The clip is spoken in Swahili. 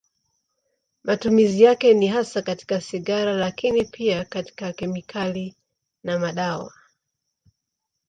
Matumizi yake ni hasa katika sigara, lakini pia katika kemikali na madawa.